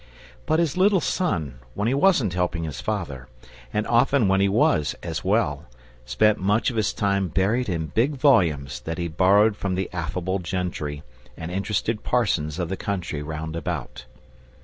But his little son, when he wasn't helping his father, and often when he was as well, spent much of his time buried in big volumes that he borrowed from the affable gentry and interested parsons of the country round about.